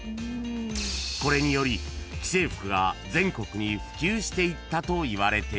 ［これにより既製服が全国に普及していったといわれています］